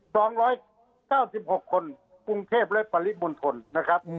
สองร้อยเก้าสิบหกคนกรุงเทพและปริมณฑลนะครับอืม